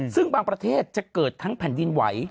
ซึ่งบางประเทศจะเกิดทั้งแผ่นดินไหว